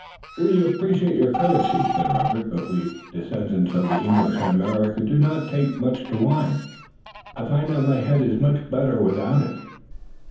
"We appreciate your courtesy," said Robert, "but we descendants of the English in America do not take much to wine. I find that my head is much better without it."